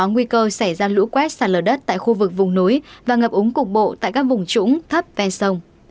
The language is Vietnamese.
nguy cơ xảy ra lũ quét sạt lở đất tại khu vực vùng núi và ngập úng cục bộ tại các vùng trũng thấp ven sông